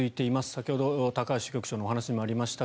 先ほど高橋支局長のお話にもありました。